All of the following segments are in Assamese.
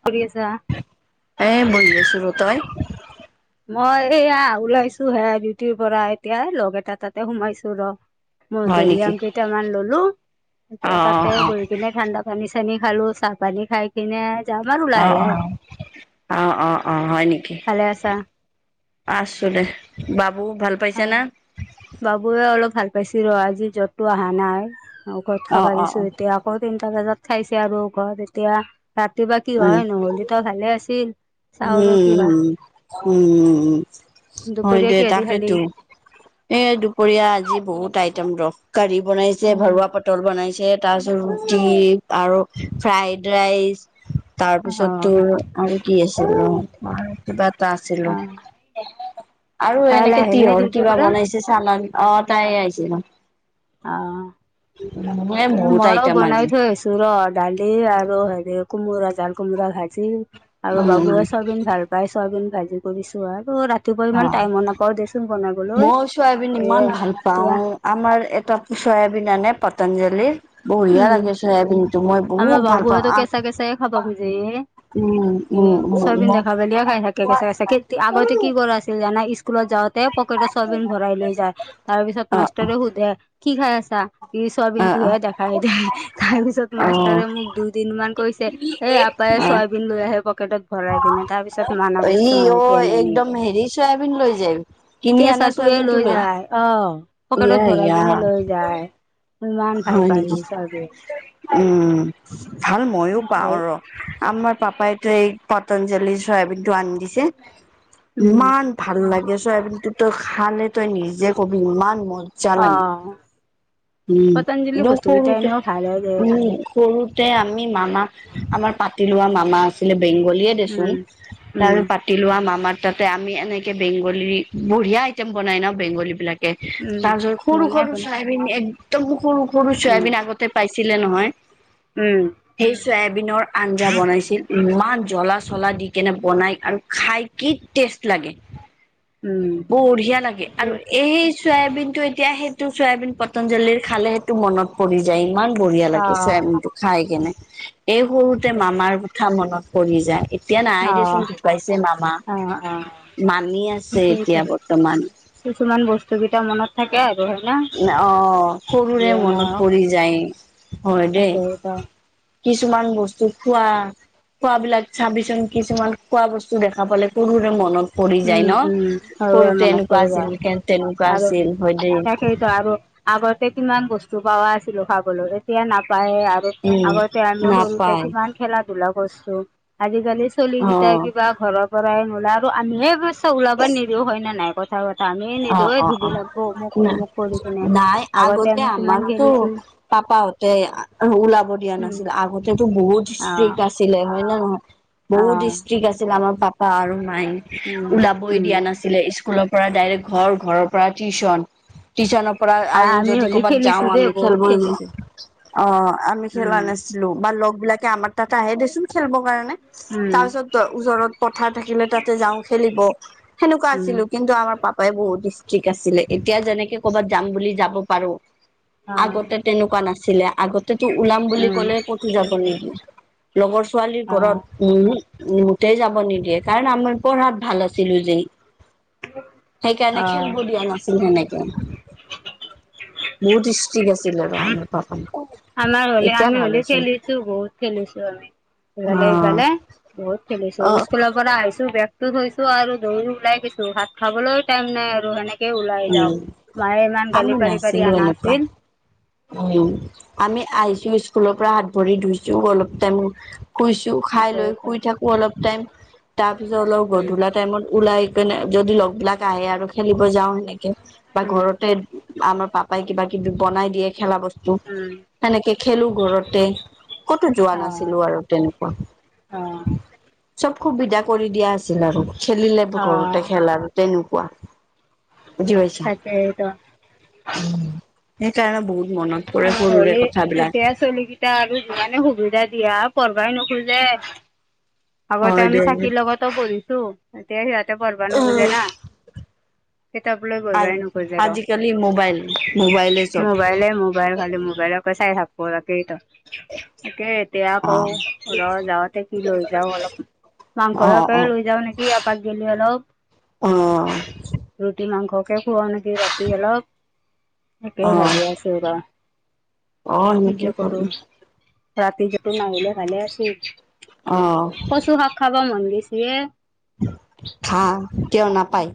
কি কৰি আছা। এ বহি আছোঁ আৰু তই। মই সেয়া ওলাইছোঁ হে ডিউটিৰ পৰা এতিয়া লগৰ এটা তাতে সোমাইছোঁ ৰ। হয় নেকি মধুৰিআম কেইটামান ললোঁ অ এতিয়া তাতে অ গৈকেনে ঠাণ্ডাত পানী চানী খালোঁ চাহ পানী খাই কেনে অ অ অ অ অ হয় নেকি? ভালে আছা? আছোঁ দে বাবু ভাল অ পাইছে না বাবুৱে অলপ ভাল পাইছে ৰ আজি জ্বৰটো আহা নাই। ঔষধ অ খাবা অ দিছোঁ অ এতিয়া আকৌ তিনটা বজাত খাইছে আৰু ঘৰত এতিয়া। ৰাতিবা কি উম হয় নহ'লেটো ভালে আছিল। চাওঁ ৰ কি হয়, উম, উম, হয় দুপৰীয়া দে কিহেদি খালি? তাকেতো। এই দুপৰীয়া আজি বহুত আইটেম ৰহ। কাৰি বনাইছে, অ', ভৰুৱা পটল বনাইছে তাৰপিছত ৰুটি আৰু ফ্ৰাইড ৰাইচ। [unintelligible] তাৰপিছত অ', তোৰ আৰু কি আছিল অ', আৰু কিবা এটা আছিল ৰহ। অ'। আৰু কাইলৈ এনেকে আহিল নে তিঁয়হৰ ডিউটিৰ কিবা পৰা বনাই পিছে চানম অ তাই আহছে ৰ। অ', এ তাকে। বহুত ময়ো আইটেম বনাই আজি থৈ আহিছো। ৰ ডালি আৰু হেৰি কোমোৰা, জাল কোমোৰা ভাজি। আৰু উম বাবুৱে চয়াবিন ভাল পাই। চয়াবিন ভাজি কৰিছো আৰু ও ৰাত। তুবল মান টাইমো নাপাওঁ দেচোন বনাবলৈ। মই চয়াবিন ইমান এহ ভাল পাওঁ দিয়া। আমাৰ এটা পু ছয়াবিন আনে পতঞ্জলিৰ। বঢ়িয়া উম লাগে ছয়াবিনটো, মই আমাৰ বহুত ভাল পাওঁ। বাবুৱেতো কেঁচা আহ কেঁচাই খাব খোজে, উম এ উম উম ছয়াবিন উম দেখা অ পালেই খাই থাকে কেঁচা, কেঁচাকে তে আগতে কি কৰা আছিল জানা স্কুলত যাওঁতে পকেটত ছয়বিন ভৰাই লৈ যায়। তাৰ পিছত অ মাষ্টৰে সোধে কি খাই আছা? এই অ ছয়াবিনটোহে দেখাই দে তাৰ পিছত মাষ্টৰে অ মোক দু দিনমান কৈছে এই আববায়ে অ চয়াবিন লৈ আহে পকেটত ভৰাই কিনে তাৰ পিছত মানা বস্তু ই মই অ এতিয়া নাই নিয়া, একদম হেৰি চয়াবিন লৈ যায় কিনি আনা কেঁচাটোয়ে চয়াবিনটো লৈ যায়। অ, পকেটত ইয়া ভৰাই ইয়া কেনে লৈ যায়, ইমান ভাল হয় পায় নেকি সি চয়াবিন উম, ভাল ময়ো পাওঁ ৰ আমাৰ পাপাইটো এই পতঞ্জলি চয়াবিনটো আনি দিছে, উম ইমান ভাল লাগে, চয়াবিনটো তই খালে তই নিজে কবি ইমান ম অ'। অঁ, পতঞ্জলি ব বস্তু কেইটা সৰুতে, এনেও ভালে দে উম সৰুতে আমি মামাক আমাৰ পাতি লোৱা মামা আছিলে, বেংগলীয়ে দেচোন। উম, উম। তি লোৱা মামাৰ তাতে আমি এনেকে বেংগলীৰ, বঢ়িয়া আইটেম বনাই ন বেংগলীবিলা কে উম, তাৰ পিছত বনাই সৰু-সৰু বনাই ছয়াবিন একদম সৰু-সৰু উম, ছয়াবিন আগত তে পাইছিলে নহয়। উম। সেই চয়াবিনৰ আঞ্জা বনাইছিল, ইমান জ্বলা-চলা দি কেনে বনাই আৰু খাই কি টেষ্ট লাগে উম। বঢ়িয়া লাগে আৰু এই ছয়াবিনটো এতিয়া সেইটো ছয়াবিন পত তঞ্জলিৰ খালে সেইটো মনত পৰি যায় ইমান বঢ়িয়া অ', অ', অ', লাগে ছয়াবিনটো খাই কেনে। এই সৰুতে মামাৰ কথা মনত পৰি যায়। এ এতিয়া নাই দেচোন ঢুকাইছে মামা, অ', মামী আছে সেইটোৱেইটো। এতিয়া বৰ্তমান। কিছুমান বস্তু কেইটা মনত থাকে আৰু হয় না? না অ', সৰুৰে যিয়ে মনত নহওক পৰি যায় হয় দেই। তাকে এটা কিছুমান বস্তু খোৱা খোৱাবিলাক চাবিচোন, কিছুমান খোৱা বস্তু দেখা পালে সৰুৰে মনত পৰি যায় উম, উম, ন! সৰুৰে সৰুতে মনত এনেকুৱা পৰিব আছিল, তে তেনেকুৱা আছিল, হয় দেই। সেইটো আৰু আগতে কিমান বস্তু পাৱা আছিলো খাবলৈ এতিয়া নাপায়ে আ অ, উম আগতে আমিও সৰুতে নাপায় কিমান খেলা-ধুলা কৰছো, আজিকালি ছোৱালীকিতা অ'। কিবা ঘৰৰ পৰাই নোলাই আৰু আমিহে অৱশ্যে ওলাব নিদিও হয় নে নাই কথা পা তা আমি অ', নিদিওঁ, এই অ', ধূলি অ'। লাগব অমুক - না তমুক কৰি কিনে। আগতে আমি কিমান খেলিছো পাপাহতে আ ওলাব দিয়া উম নাছিল, আগতেতো বহুত অ ষ্ট্ৰিক আছ ছিলে হয় নে নহয়? অ বহুত ষ্ট্ৰিক আছিল আমাৰ পাপা আৰু মায়, উম ওলাবই উম দিয়া নাছিলে স্কুলৰ পৰা ডাইৰেক ঘৰ ঘৰৰ পৰা টিউচন। টিউচনৰ পৰা আৰু আমি যদি হ'লে ক'ৰবাত খেলিছো যাওঁ দেই আমি বহুত খেলব খেলিছো অ আমি খেলা উম নাছি ছিলো বা লগবিলাকে আমাৰ তাতে আহে দেছোন খেলবৰ কাৰণে তাৰ উম পিছত ত ওচৰত পথাৰ থাকিলে তাতে যাওঁ খেলিব সেনেকুৱা উম আছিলো কিন্তু আমাৰ পাপ পাই বহুত ষ্ট্ৰিক আছিলে এতিয়া যেনেকে কৰ'বাত যাম বুলি যাব পাৰো অ আগতে তেনেকুৱা নাছিলে আগতেতো ওলাম বুলি উম ক'লে ক'তো যাব নিদিয়ে। লগৰ ছোৱালীৰ ঘৰত উহো মোতেই যাব নিদিয়ে কাৰণ আমিৰ পঢ়াত ভাল আছিলো যে। [inaudible] সেইকাৰণে অ খেলব অ দিয়া নাছিল সেনেকে। বহুত ষ্টিক আছিলে ৰাম বাপৰে। আমাৰ হ'লে আমি হ'লে খেলিছো বহুত খেলিছো আমি। ইফালে সিফালে বহুত খেলিছো অ অ স্কুলৰ পৰা আহিছো বেগ টো থৈছো আৰু দৌৰি ওলাই গৈছো ভাত খাবলৈও টাইম নাই আৰু সেনেক কে ওলাই উম যাওঁ মায়ে ইমান আমি গালি পালি পাৰি নাছিলো এনেকুৱা আনিছিল। উম, আমি আহিছো স্কুলৰ পৰা হাত ভৰি ধুইছো অলপ টাইম শুইছো খাই লৈ শুই থাকো অলপ টাইম। তাৰ পিছত অলপ গধুলা টাইমত ওলাই কিনে যদি লগবিলাক আহে আৰু খেলিব যাওঁ সেনেকে বা উম উম ঘৰতে আমাৰ পাপাই কিবা কিবি বনাই দিয়ে খেলা বস্তু। উম সেনেকে খেলো ঘৰতে ক'তো যোৱা অ নাছিলো আৰু। তেনেকুৱা অ চব সুবিধা কৰি দিয়া আছিল আৰু খেলিলে অ ঘৰতে খেল আৰু তেনেকুৱা। বুজি পাইছা, তাকেইতো উম সেইকাৰণে বহুত মনত পৰে আমাৰ সৰুৰে হ'লে কথাবিলাক এতিয়া চলি কিটা আৰু যিমানে সুবিধা দিয়া পঢ়বাই নোখোজে। আগতে হয় আমি দে চাকিৰ লগতো পঢ়িছো এতিয়া সিহঁতে পঢ়বা নোখোজে না। কিতাপ লৈ আজ পঢ়িবাই নোখোজে আৰু। আজিকালি মোবাইল মোবাইলে চব মোবাইলে মোবাইল খালি মোবাইলক তাকে চাই থাকিব ৰাতিটো, তাকেই এতিয়া আকৌ ঘৰ যাওঁতে কি লৈ যাওঁ অলপ অ অ মাংসকে অ লৈ যাওঁ নেকি [unintelligible] অলপ। অ ৰুটি মাংসকে খুৱাও নেকি ৰাতি অলপ তাকে অ ভাজি আছো। তেনেকুৱা অ কি সেনেকে যে কৰো। কৰি ৰাতি সিহঁতে নাহিলে ভাল আছিল। অ'। কচু শাক খাব মন গৈছে এ! অ', কিয় নাপায়?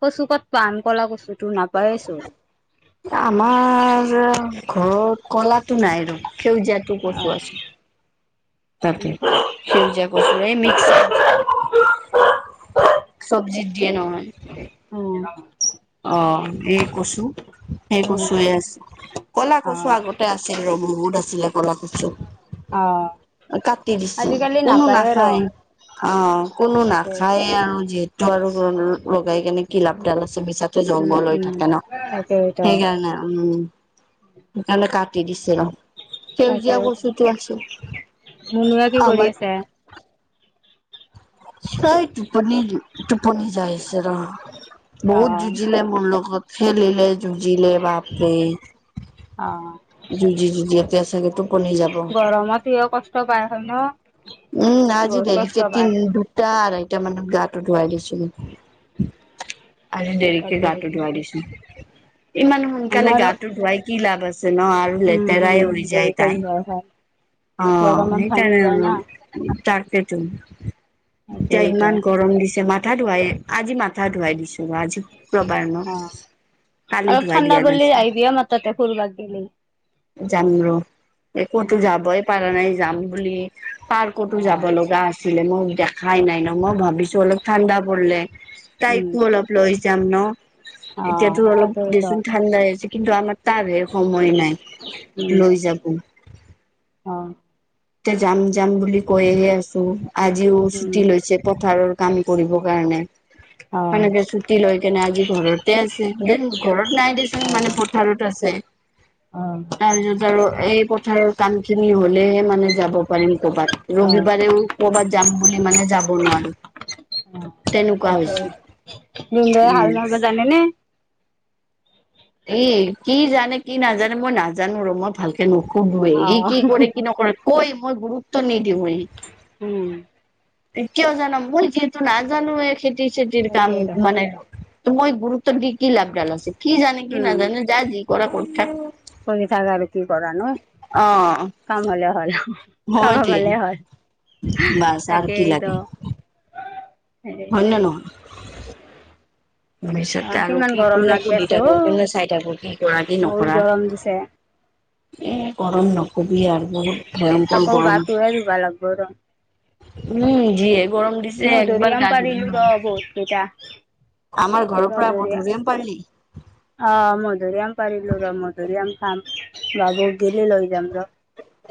কচু ক'ত পাম কলা কচু! এ আমাৰ যে ঘৰত ক'লাতো নাই ৰ'ব সেউজীয়াতো অ কচু আছে। তাকে উম সেউজীয়া কচুৱে মিক্স। চব্জিত দিয়ে নহয়। অ'। অ', এই কচু সেই উম কচুয়ে আছে। ক'লা অ কচু আগতে আছিল ৰ'ব বহুত আছিলে কলা কচু। অ'। কাটি দিছে আজিকালি কোনো নাপায়ে ৰ নাখায় অ' কোনো তাকেইতো নাখায়ে আৰু যিহেতু তো আৰু লগাই কেনে কি লাভালাভ আছে আৰু মিছা তে উম জংঘল হৈ উম থাকে ন তাকেইতো সেইকাৰণে আৰু উম। সেই কাৰণে কাটি দিছে ৰ'হ। তাকে সেউজীয়া কচুটো মুনুৱে কি আছে কৰি আমাৰ। আছে সেই টোপনি দিওঁ টোপনি যাই আছে ৰ অ বহুত যুঁজিলে মোৰ লগত। খেলিলে যুঁজিলে বাপৰে অ'। যুজি, যুজি এতিয়া চাগে টোপনি যাব। গৰমত সিয়ো কষ্ট পায় আছে ন। উম, আজি বহুত কষ্ট দেৰিকে পায় তিনি দিন টোপ দুটা আৰাইতা মানত গাটো ধুৱাই দিছিলোঁ। আজি দেৰিকে গাটো তাকেইতো ধুৱাই দিছোঁ। ইমান সোনকালে আমাৰ গাটো ধুৱাই কি লাভ আছে ন আৰু উম লেতেৰাই উম হৈ যায় দেৰিকে তাই। যোৱা হয় অ', গৰমত ঘামি সেইকাৰণে যায় আৰু। না তাৰাকেইেতো এতিয়া তাকেইতো ইমান গৰম দিছে মাথা ধোৱাইে আজি মাথা ধোৱাই দিছোঁ ৰ আজি শুক্ৰবাৰ ন অ', কালি অলপ ধুৱাই ঠাণ্ডা দিয়া পৰলি নাছিল আহিবি আমা তাতে ফুৰবাক গেলি যাম ৰ একতো যাবই পাৰা নাই যাম বুলি পাৰ্কতো অ যাব লগা আছে। আছিলে মই দেখাই নাই ন মই ভাবিছোঁ অলপ ঠাণ্ডা পলে উম তাইকো অলপ লৈ যাম ন অ এতিয়াতো অলপ তাকেইতো দেচোন ঠা ঠাণ্ডাছে কিন্তু আমাৰ তাৰ হে সময় নাই উম লৈ যাব। অ তাতে যাম, যাম বুলি কৈহে আছোঁ আজিও উম ছুটি লৈছে পথাৰত কাম কৰিবৰ কাৰণে অ সেইনকে ছুটি লৈ কেনে আজি ঘৰতে আছে দে ঘৰত নাই দেচোন মানে পথাৰত আছে। অ তাৰ পিছত আৰু এই পথাৰৰ কাম খিনি হ'লে হে মানে যাব পাৰিম ক'বাত অ অ ৰবিবাৰেও ক'বাত যাম বুলি মানে যাব নোৱাৰোঁ। ভিনদেউয়ে হাল উম বাব জানে নে? এ কি জানে কি নাজানে মই নাজানোঁ ৰ মই ভালকে নোখুধোয়ে সি অ', কি কৰে কি নকৰে কৈ মই গুৰুত্ব নিদোয়ে উম। কিয় জানাম মই যিহেতু নাজানোঁয়ে খেতি চেতিৰ কাম তাকেইতো মানে ত মই গুৰুত্ব কি, কি লাভ ডাল আছে কি জানে কি নাজানে যা যি কৰা কৰি থাকে। কমি থাকে আৰু কি কৰা নো অ কাম হ'লে হ'ল। সময় খাবা দে পালে হয় বাছ আৰু কি তাকেটো। লাগে হয় হে [inaudible] তাৰিছত আৰু কিমান কি গৰম কোনে লাগি সুধি আছে অ থাকো কোনে চাই থাকো কি কৰা কি বহুত নকৰা। গৰম দিছে গৰম নকবি আৰু বহুত ভয়ংকৰ ক আকৌ গৰম। গাটোৱে ধুবা লাগব ৰ উম, যিয়ে গৰম দি মধুৰিআম পাৰিলো ৰ বহুত কেইটা। আমাৰ ঘৰৰ পৰা মধুৰি মধুৰিআম পাৰলি। অ', মধুৰিআম পাৰিলোঁ ৰ মধুৰিআম খাম বাবুক গেলি লৈ যাম ৰ।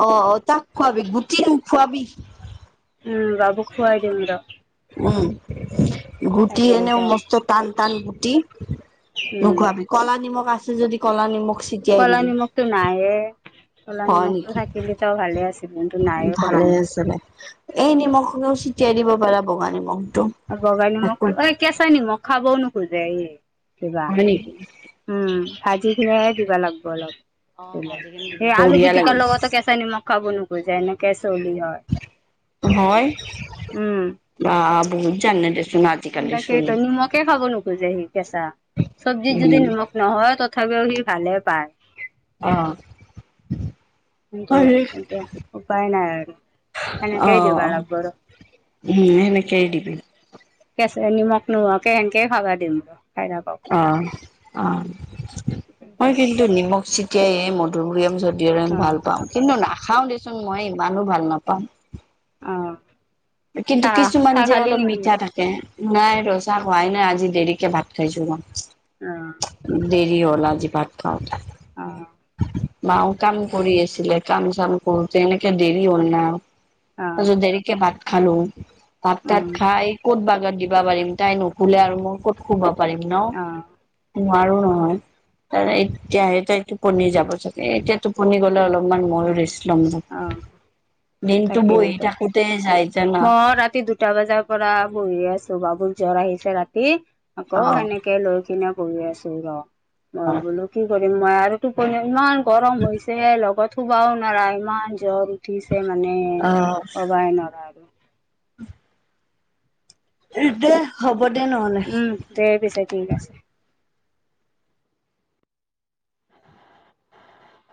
অ', অ', তাক খুৱাবি গুটি নোখোৱাবি। উম বাবুক খুৱাই দিম ৰ। উম। গুটি এনেও তাকেইতো মস্ত টান টান গুটি উম নোখোৱাবি। কলা নিমখ আছে যদি কলা নিমখ ছিটিয়াই কলা দিবি নিমখতো তো নাইে। ক'লা হয় নিমখটো নেকি থাকিলি তো ভালে আছিল কিন্তু নাইয় ক'লা ভালে নিমখটো। আছিলে এই নিমখ হলেও ছিটিয়াই দিব পাৰা বগা নিমখটো। বগা একো নিমখটো এই কেঁচা নিমখ খাবও নোখোজে এই। কিবা হয় নিকি? উম' ভাজি খিনিহে দিবা লাগিব অলপ। অ ভাজি কিনে দিবি এ আলু বঢ়িয়া পিটিকাৰ লাগে লগতে কেঁচা নিমখ খাব নুখোজে এনেকে চুলি হয়। হয় উম বাহ বহুত জানে দে। তাকেইটো নিমখে খাব নোখোজে সি কেঁচা। চব্জিত যদি উম নিমখ- নহয় তথাপিও সি ভালে পায়। অঁ' কিন্তু, এতিয়া উপায় নাই আৰু অ এনেকেই দিবা লাগিব আৰু। উম' সেনেকেই দিবি। কেচেই নিমখ নোহোৱাকে সেনকেই খাবা দিম। খাই থাকক। অঁ অঁ, মই কিন্তু নিমখ চি- এতিয়াই এই মধুৰিআম চদোৰিয়াম অ', ভাল পাওঁ, কিন্তু নাখাওঁ দেচোন মই ইমানো ভাল নাপাম। অঁ' কিন্তু, কিছুমান যে অলপ নেকি? মিঠা থাক- নাই ৰচা খুৱাই নাই আজি দেৰিকে ভাত খাইছো মই। অঁ' দেৰি হ'ল আজি ভাত খাওঁতে। অ', মাও কাম কৰি আছিলে। কাম চাম কৰোতে এনেকে দেৰি হল না অ', তাছত দেৰিকে ভাত খালো। ভাত তাত অ', খাই ক'ত বাগাত দিব পাৰিম তাই নুখুলে আৰু মই ক'ত- শুব পাৰিম ন, অ', নোৱাৰো নহয়। ত এতিয়াহে তাই টোপনি যাব চাগে, এতিয়া টোপনি গলে অলপমান ময়ো ৰেছ- লম লয়, অ', দিনটো বহি তাকেইতো থাকোতে যাই। জানা মই ৰাতি দুটা বজাৰ পৰা বহিয়ে আছো, বাবুৰ জ্বৰ আহিছে ৰাতি। অ আকৌ সেনেকে লৈ কিনে বহি আছো ৰ, মই বোলো কি কৰিম মই আৰু- টোপনি ইমান গৰম হৈছে লগত শুবাও নোৱাৰা ইমান জ্বৰ- উঠিছে মানে কবাই নৱাৰা আৰু। উমহ' সেইটোৱে। উম' দে পিছে ঠিক আছে।